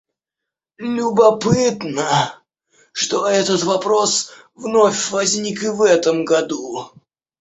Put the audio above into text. Любопытно, что этот вопрос вновь возник и в этом году.